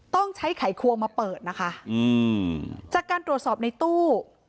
ต้องใช้ไขควงมาเปิดนะคะอืมจากการตรวจสอบในตู้